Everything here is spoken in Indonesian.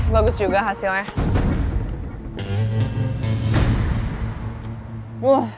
bagus juga hasilnya